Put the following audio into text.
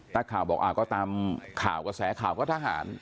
ถ้าเขาบอกอ่าจะตามแข่วแข่วก็ทหาร